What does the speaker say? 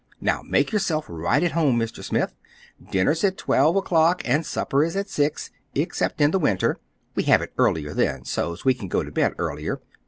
Now make yourself right at home, Mr. Smith. Dinner's at twelve o'clock, and supper is at six—except in the winter. We have it earlier then, so's we can go to bed earlier.